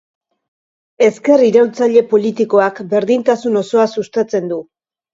Ezker iraultzaile politikoak berdintasun osoa sustatzen du.